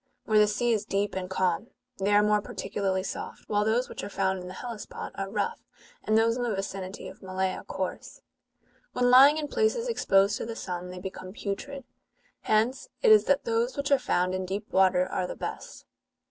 Where the sea is deep and calm, they are more particularly soft, while those which are found in the Hellespont are rough, and those in the vicinity of Malea coarse.^^ "When Ipng in places exposed to the sun, they become putrid : hence it is that those which are found in deep water are the best.